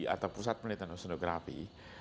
atau pusat penelitian osnografi